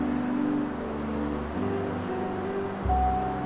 うん？